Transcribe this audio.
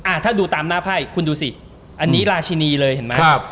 ถ้าดูตามหน้าไพ่คุณดูสิอันนี้ราชินีเลยเห็นไหมครับ